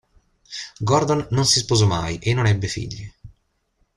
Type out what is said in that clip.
Gordon non si sposò mai e non ebbe figli.